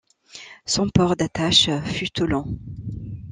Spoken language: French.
Son port d'attache fut Toulon.